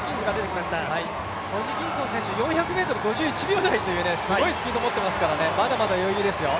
ホジキンソン選手、４００ｍ５１秒台というすごいスピードを持っていますからまだまだ余裕ですよ。